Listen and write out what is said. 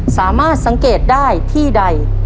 สามารถสังเกตได้ที่ใด